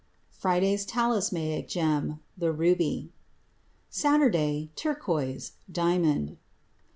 Friday's talismanic gem: the ruby. Saturday: Turquoise—diamond.